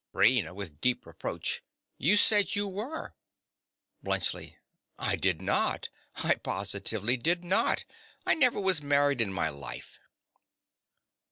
RAINA. (with deep reproach). You said you were. BLUNTSCHLI. I did not. I positively did not. I never was married in my life.